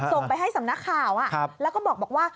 ส่งไปให้สำนักข่าวแล้วก็บอกว่า